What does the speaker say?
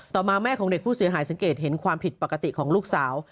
ต่อมาแม่ของเด็กผู้เสียหายสังเกตเห็นความผิดปกติของลูกสาว